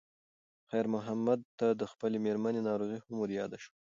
خیر محمد ته د خپلې مېرمنې ناروغي هم ور یاده شوه.